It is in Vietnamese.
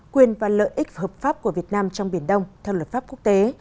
quyền và lợi ích hợp pháp của việt nam trong biển đông theo luật pháp quốc tế